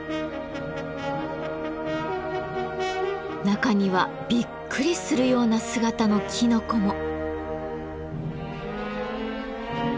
中にはびっくりするような姿のきのこも。